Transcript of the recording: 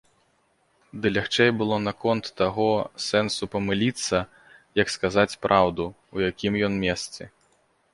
Ды лягчэй было наконт таго сэнсу памыліцца, як сказаць праўду, у якім ён месцы.